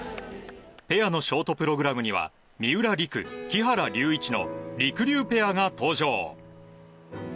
ペアのショートプログラムには三浦璃来、木原龍一のりくりゅうペアが登場。